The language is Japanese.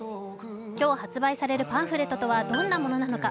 今日発売されるパンフレットとはどんなもなのか。